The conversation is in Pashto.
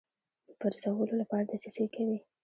پرزولو لپاره دسیسې کوي.